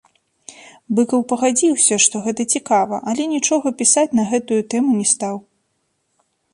Быкаў пагадзіўся, што гэта цікава, але нічога пісаць на гэтую тэму не стаў.